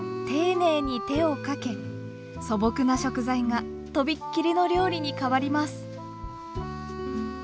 丁寧に手をかけ素朴な食材が飛びっ切りの料理に変わります。